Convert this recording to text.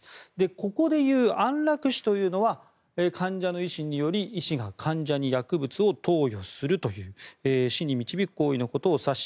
ここでいう安楽死というのは患者の意思により医師が患者に薬物を投与するという死に導く行為のことを指し